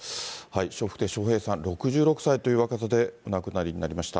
笑福亭笑瓶さん、６６歳という若さでお亡くなりになりました。